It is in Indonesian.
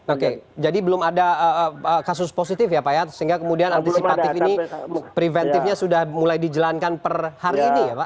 oke jadi belum ada kasus positif ya pak ya sehingga kemudian antisipatif ini preventifnya sudah mulai dijalankan per hari ini ya pak